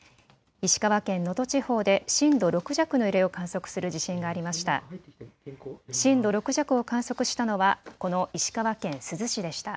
石川県能登地方で震度６弱の揺れを観測する地震がありました。